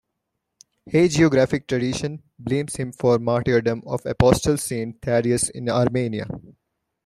Hagiographic tradition blames him for the martyrdom of the Apostle Saint Thaddeus in Armenia.